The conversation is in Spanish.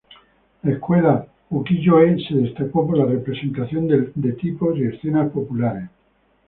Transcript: La escuela "ukiyo-e" se destacó por la representación de tipos y escenas populares.